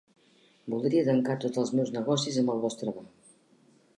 Voldria tancar tots els meus negocis amb el vostre banc.